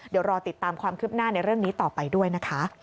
เดี๋ยวรอติดตามความคืบหน้าในเรื่องนี้ต่อไปด้วยนะคะ